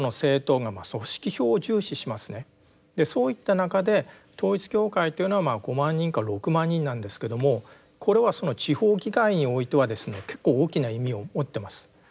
そういった中で統一教会というのは５万人か６万人なんですけどもこれはその地方議会においてはですね結構大きな意味を持ってます。